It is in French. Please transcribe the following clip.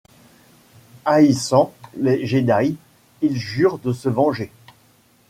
Haïssant les Jedi, il jure de se venger.